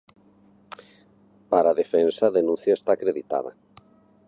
Para a defensa, a denuncia está acreditada.